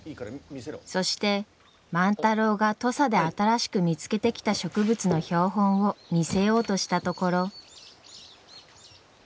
そして万太郎が土佐で新しく見つけてきた植物の標本を見せようとしたところ。